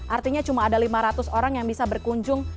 artinya cuma ada lima ratus orang yang bisa berkunjung